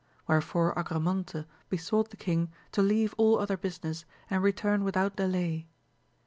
Where fore Argamonte besought the king to leave all other business, and return without delay.